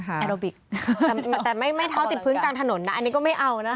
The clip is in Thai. แอโรบิกแต่ไม่ท้อติดพื้นกลางถนนนะอันนี้ก็ไม่เอานะ